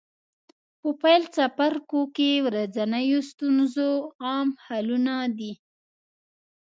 په پیل څپرکو کې د ورځنیو ستونزو عام حلونه دي.